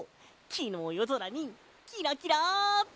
きのうよぞらにキラキラって。